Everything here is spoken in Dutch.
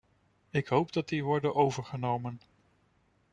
Ik hoop dat die worden overgenomen.